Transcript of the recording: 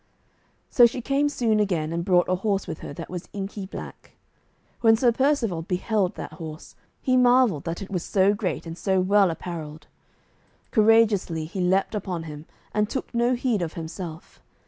So she came soon again, and brought a horse with her that was inky black. When Sir Percivale beheld that horse, he marvelled that it was so great and so well apparelled. Courageously he leaped upon him, and took no heed of himself.